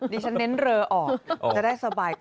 ดิฉันเน้นเรือออกจะได้สบายเสร็จ